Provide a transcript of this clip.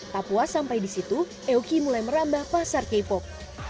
tak puas sampai di situ eoki mulai merambah pasar k pop